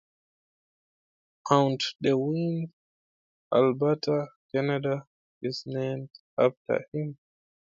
Mount De Wind, Alberta, Canada, is named after him.